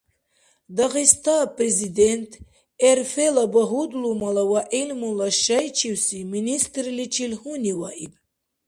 Дагъиста Президент РФ-ла багьудлумала ва гӏилмула шайчивси министрличил гьуниваиб